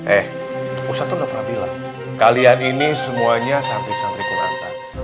eh ustadz tuh enggak pernah bilang kalian ini semuanya santri santri kunanta